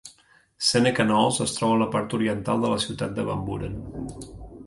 Seneca Knolls es troba a la part oriental de la ciutat de Van Buren.